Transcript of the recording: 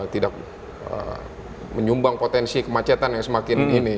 tidak menyumbang potensi kemacetan yang semakin ini